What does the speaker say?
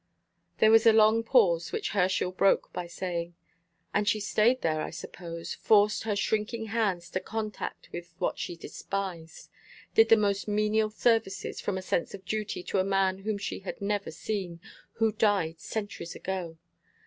There was a long pause, which Herschel broke by saying: "And she staid there, I suppose, forced her shrinking hands into contact with what she despised, did the most menial services, from a sense of duty to a man whom she had never seen, who died centuries ago?